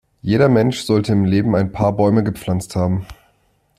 Jeder Mensch sollte im Leben ein paar Bäume gepflanzt haben.